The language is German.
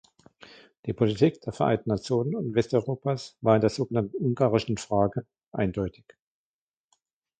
Die Politik der Vereinten Nationen und Westeuropas war in der sogenannten „ungarischen Frage“ eindeutig.